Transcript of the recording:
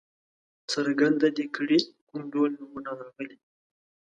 څرګنده دې کړي کوم ډول نومونه راغلي.